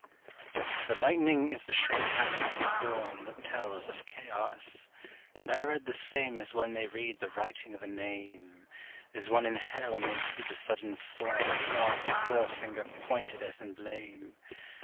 The lightning is the shorthand of the storm That tells of chaos; and I read the same As one may read the writing of a name, As one in Hell may see the sudden form Of God's fore finger pointed as in blame.